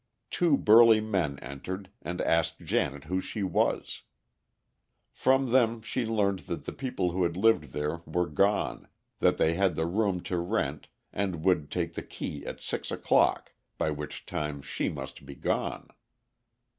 Two burly men entered, and asked Janet who she was. From them she learned that the people who had lived there were gone, that they had the room to rent, and would take the key at six o'clock, by which time she must be gone.